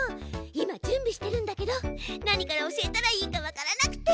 今準備してるんだけど何から教えたらいいかわからなくて。